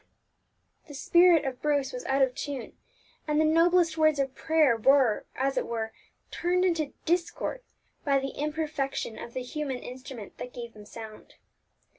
The spirit of Bruce was out of tune, and the noblest words of prayer were, as it were, turned into discord by the imperfection of the human instrument that gave them sound.